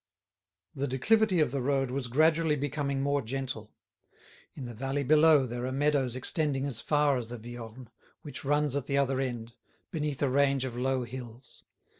The declivity of the road was gradually becoming more gentle. In the valley below there are meadows extending as far as the Viorne, which runs at the other end, beneath a range of low hills.